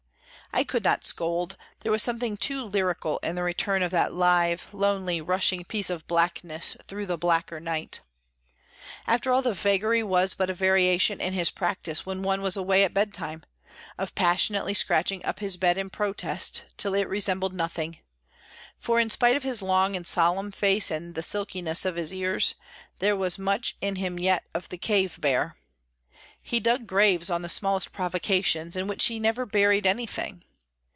I could not scold, there was something too lyrical in the return of that live, lonely, rushing piece of blackness through the blacker night. After all, the vagary was but a variation in his practice when one was away at bed time, of passionately scratching up his bed in protest, till it resembled nothing; for, in spite of his long and solemn face and the silkiness of his ears, there was much in him yet of the cave bear—he dug graves on the smallest provocations, in which he never buried anything.